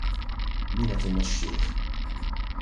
Min qed imexxih?